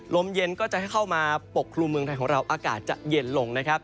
ลมเย็นก็จะเข้ามาปกครุมเมืองไทยของเราอากาศจะเย็นลงนะครับ